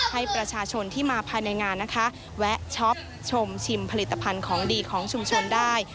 ให้ประชาชนที่มาภายในงานนะคะแวะช็อปชมชิมผลิตภัณฑ์ของดีของชุมชนได้